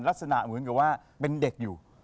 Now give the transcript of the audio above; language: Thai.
ลักษณะเหมือนกับว่าเป็นเด็กอยู่